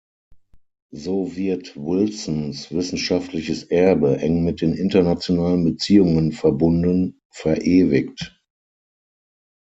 So wird Wilsons wissenschaftliches Erbe, eng mit den internationalen Beziehungen verbunden, verewigt.